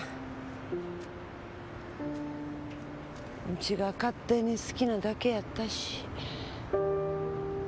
ウチが勝手に好きなだけやったし。